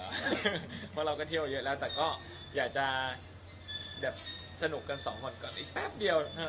เพราะเราก็เที่ยวเยอะแล้วแต่ก็อยากจะสนุกกันสองคนก่อนอีกแป๊บเดียว